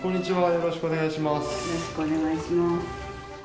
よろしくお願いします。